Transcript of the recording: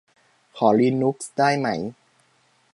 ขอลีนุกซ์ได้ไหม